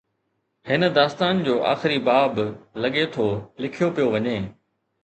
هن داستان جو آخري باب، لڳي ٿو، لکيو پيو وڃي.